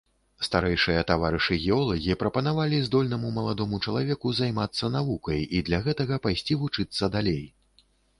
Старэйшыя таварышы-геолагі прапанавалі здольнаму маладому чалавеку займацца навукай і для гэтага пайсці вучыцца далей.